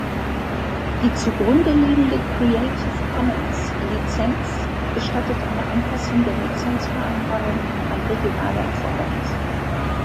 Die zugrundeliegende Creative Commons Lizenz gestattet eine Anpassung der Lizenzvereinbarung an regionale Erfordernisse.